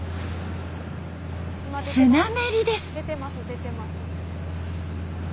スナメリです。